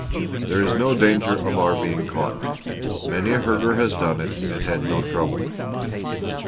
There is no danger of our being caught. Many a herder has done it and had no trouble."